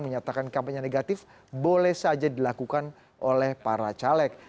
menyatakan kampanye negatif boleh saja dilakukan oleh para caleg